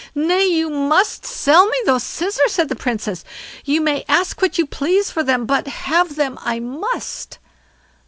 "Nay, but you must sell me these scissors", said the Princess. "You may ask what you please for them, but have them I must."